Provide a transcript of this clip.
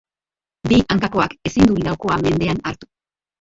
Bi hankakoak ezin du laukoa mendean hartu.